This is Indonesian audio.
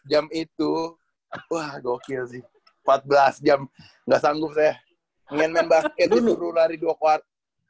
empat belas jam itu wah gokil sih empat belas jam gak sanggup saya pengen main basket ini perlu lari dua kuart